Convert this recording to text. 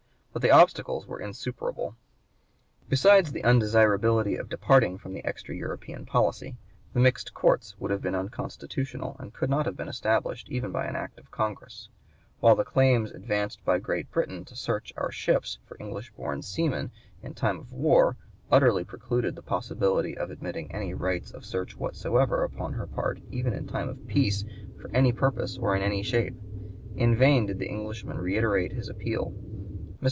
But the obstacles were insuperable. Besides the undesirability of departing from the "extra European policy," the mixed courts would have been unconstitutional, and could not have been established even by act of Congress, while the claims advanced by Great Britain to search our ships for English born seamen in time of war utterly precluded the possibility of admitting any rights of search whatsoever upon her (p. 139) part, even in time of peace, for any purpose or in any shape. In vain did the Englishman reiterate his appeal. Mr.